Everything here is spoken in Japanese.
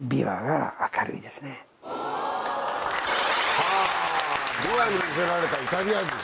はぁ琵琶に魅せられたイタリア人。